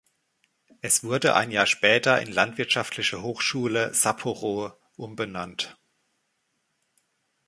Es wurde ein Jahr später in Landwirtschaftliche Hochschule Sapporo umbenannt.